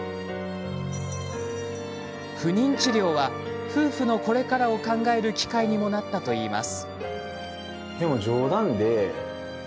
不妊治療は夫婦のこれからを考える機会にもなったといいます。